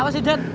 apa sih dad